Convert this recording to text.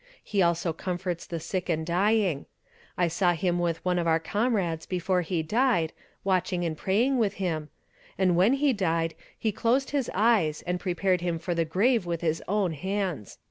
He also comforts the sick and dying. I saw him with one of our comrades before he died, watching and praying with him; and when he died, he closed his eyes and prepared him for the grave with his own hands."